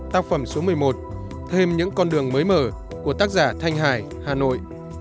tác phẩm số một mươi một thêm những con đường mới mở của tác giả thanh hải hà nội